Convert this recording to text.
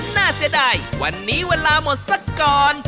เสียดายวันนี้เวลาหมดสักก่อน